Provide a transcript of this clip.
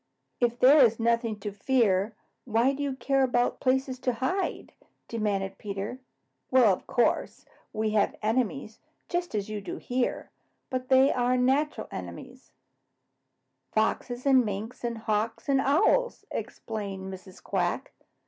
"If there is nothing to fear, why do you care about places to hide?" demanded Peter. "Well, of course, we have enemies, just as you do here, but they are natural enemies, Foxes and Minks and Hawks and Owls," explained Mrs. Quack.